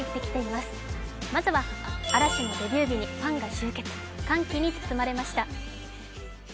まずは嵐のデビュー日にファンが集結、歓喜に包まれました。